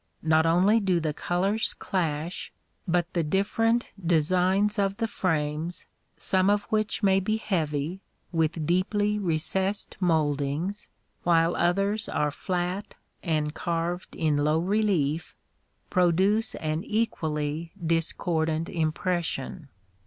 Not only do the colors clash, but the different designs of the frames, some of which may be heavy, with deeply recessed mouldings, while others are flat and carved in low relief, produce an equally discordant impression.